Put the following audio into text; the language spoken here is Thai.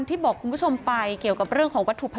เสียงมอเตอร์ไซน์นี้ขึ้นมานี่ครับ